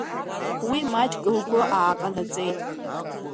Уи маҷк лгәы ааҟанаҵеит.